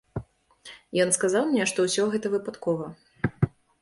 Ён сказаў мне, што ўсё гэта выпадкова.